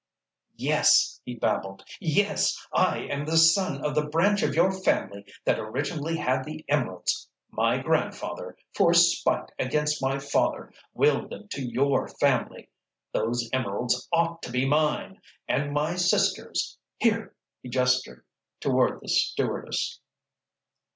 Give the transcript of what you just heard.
"Yes!" he babbled. "Yes! I am the son of the branch of your family that originally had the emeralds. My grandfather, for spite against my father, willed them to your family. Those emeralds ought to be mine—and my sister's"—here he gestured toward the stewardess.